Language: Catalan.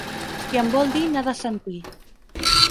Qui en vol dir n'ha de sentir.